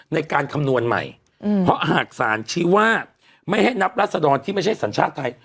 ในการคำนวณใหม่เพราะหากสารชี้ว่าไม่ให้นับรัศดรที่ไม่ใช่สัญชาติไทย